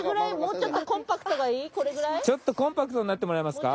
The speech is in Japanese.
ちょっとコンパクトになってもらえますか？